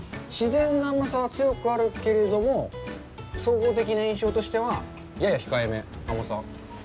自然な甘さは強くあるけれども総合的な印象としてはやや控えめ、甘さ。